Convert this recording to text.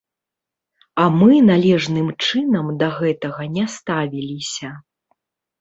А мы належным чынам да гэтага не ставіліся.